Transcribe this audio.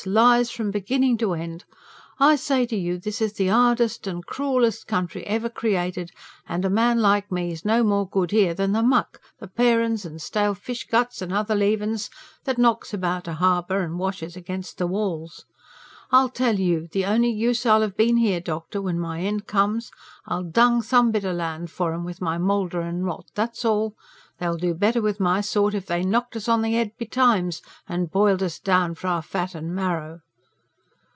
lies from beginnin' to end! I say to you this is the hardest and cruellest country ever created, and a man like me's no more good here than the muck the parin's and stale fishguts and other leavin's that knocks about a harbour and washes against the walls. I'll tell you the only use I'll have been here, doctor, when my end comes: I'll dung some bit o' land for 'em with my moulder and rot. That's all. They'd do better with my sort if they knocked us on the head betimes, and boiled us down for our fat and marrow."